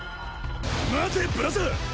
待てブラザー！